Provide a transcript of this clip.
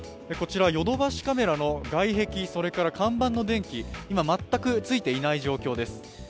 こちら、ヨドバシカメラの外壁、それから看板の電気、今、全くついていない状況です。